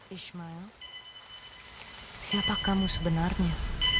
ismael siapa kamu sebenarnya